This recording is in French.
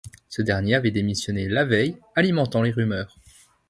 Ce dernier avait démissionné la veille, alimentant les rumeurs.